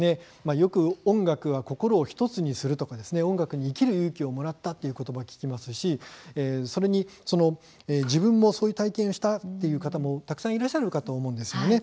よく音楽は心を１つにするとか音楽に生きる勇気をもらったということを聞きますし自分もそういう体験をしたという方もたくさんいらっしゃると思います。